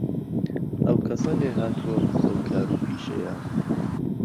ئهو کهسه لێهاتووه بۆ ئهو کار و پیشهیه